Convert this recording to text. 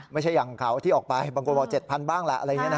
ไม่ใช่อย่างเขาที่ออกไปบางคนบอก๗๐๐๐บ้างละ